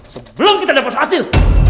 sebelum kita dapat hasil